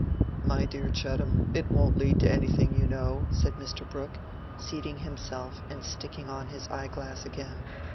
"My dear Chettam, it won't lead to anything, you know," said Mr. Brooke, seating himself and sticking on his eye glass again.